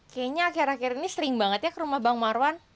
kayaknya akhir akhir ini sering banget ya ke rumah bang marwan